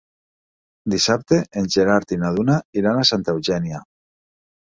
Dissabte en Gerard i na Duna iran a Santa Eugènia.